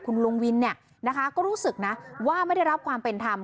คุณลุงวินก็รู้สึกนะว่าไม่ได้รับความเป็นธรรม